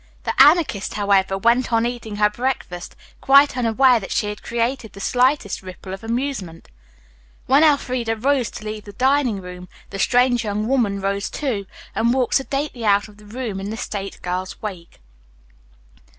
The Anarchist, however, went on eating her breakfast, quite unaware that she had created the slightest ripple of amusement. When Elfreda rose to leave the dining room the strange young woman rose, too, and walked sedately out of the room in the stout girl's wake.